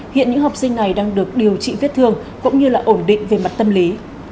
hiện những học sinh này đang được điều trị vết thương cũng như là ổn định về mặt tâm lý